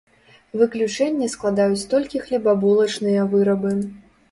Выключэнне складаюць толькі хлебабулачныя вырабы.